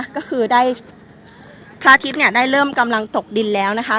ก็คือได้พระอาทิตย์เนี่ยได้เริ่มกำลังตกดินแล้วนะคะ